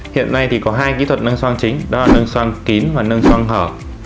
hiện nay thì có hai kỹ thuật nâng xoang chính đó là nâng xoang kín và nâng xoang hở